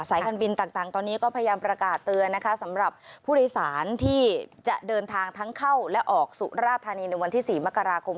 การบินต่างตอนนี้ก็พยายามประกาศเตือนนะคะสำหรับผู้โดยสารที่จะเดินทางทั้งเข้าและออกสุราธานีในวันที่๔มกราคม